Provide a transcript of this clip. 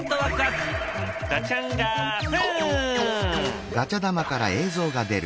ガチャンガフン！